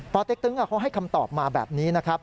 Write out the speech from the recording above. เต็กตึ๊งเขาให้คำตอบมาแบบนี้นะครับ